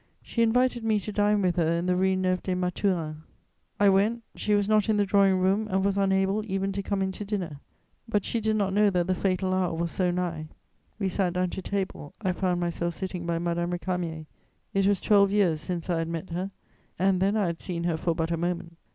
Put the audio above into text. She invited me to dine with her, in the Rue Neuve des Mathurins: I went; she was not in the drawing room and was unable even to come in to dinner; but she did not know that the fatal hour was so nigh. We sat down to table. I found myself sitting by Madame Récamier. It was twelve years since I had met her, and then I had seen her for but a moment.